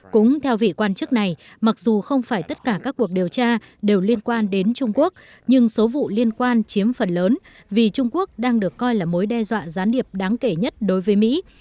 cũng theo vị quan chức này mặc dù không phải tất cả các cuộc điều tra đều liên quan đến trung quốc nhưng số vụ liên quan chiếm phần lớn vì trung quốc đang được coi là mối đe dọa gián điệp đáng kể nhất đối với mỹ